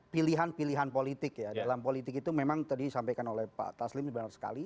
pilihan pilihan politik ya dalam politik itu memang tadi disampaikan oleh pak taslim ini benar sekali